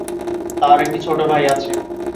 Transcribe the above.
তার একটি ছোট ভাই আছে।